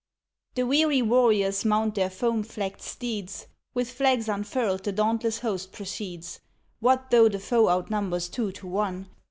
The weary warriors mount their foam flecked steeds, With flags unfurled the dauntless host proceeds. What though the foe outnumbers two to one?